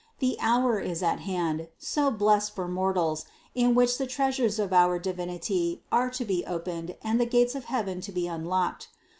The hour is at hand, so blessed for mortals, in which the treasures of our Divinity are to be opened and the gates of heaven to be unlocked.